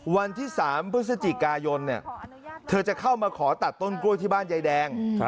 วันที่๓พฤศจิกายนเธอจะเข้ามาขอตัดต้นกล้วยที่บ้านยายแดง